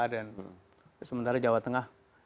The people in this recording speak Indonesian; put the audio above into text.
dan sementara jawa tengah